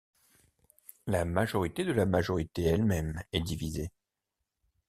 La majorité de la majorité elle-même est divisée.